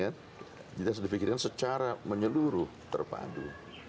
jadi harus dipikirkan secara menyeluruh terpadu